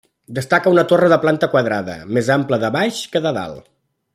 Destaca una torre de planta quadrada, més ampla de baix que de dalt.